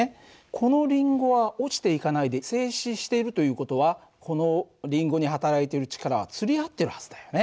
このりんごは落ちていかないで静止しているという事はこのりんごに働いている力はつり合ってるはずだよね。